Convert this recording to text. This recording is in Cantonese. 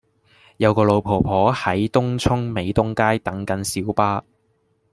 有個老婆婆喺東涌美東街等緊小巴